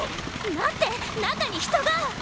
待って中に人が！